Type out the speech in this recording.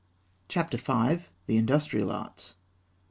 CHAPTER V. _THE INDUSTRIAL ARTS.